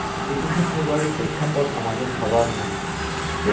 একুশে ফেব্রুয়ারির প্রেক্ষাপট আমাদের সবার জানা।